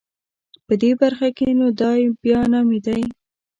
په دې برخه کې نو دای بیا نامي و.